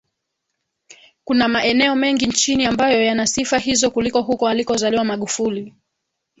kuna maeneo mengi nchini ambayo yana sifa hizo kuliko huko alikozaliwa Magufuli